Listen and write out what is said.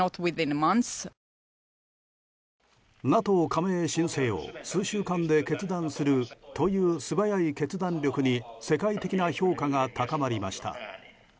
ＮＡＴＯ加盟申請を数週間で決断するという素早い決断力に世界的な評価が高まりました。